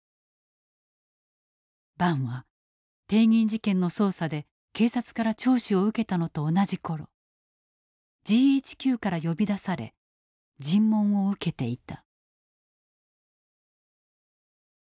伴は帝銀事件の捜査で警察から聴取を受けたのと同じ頃ＧＨＱから呼び出され尋問を受けていた。